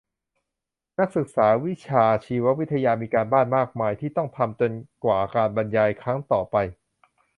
นักศึกษาวิชาชีววิทยามีการบ้านมากมายที่ต้องทำจนกว่าการบรรยายครั้งต่อไป